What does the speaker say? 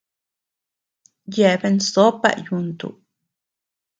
Yeabean sópa yuntu.